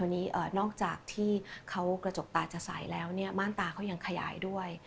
นอกจากที่กระจกตาจะใสแล้วม่านตาเขายังขยายด้วย